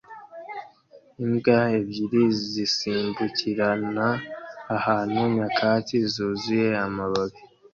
Imbwa ebyiri zisimbukirana ahantu nyakatsi zuzuye amababi